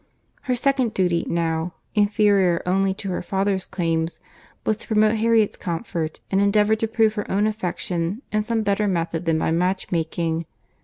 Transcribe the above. Her second duty now, inferior only to her father's claims, was to promote Harriet's comfort, and endeavour to prove her own affection in some better method than by match making.